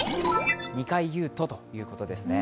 ２回言うとということですね。